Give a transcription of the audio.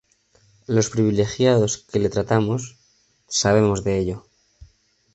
Los privilegiados que le tratamos sabemos de ello".